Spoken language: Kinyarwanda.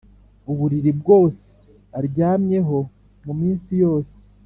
Uburiri bwose aryamyeho mu minsi yose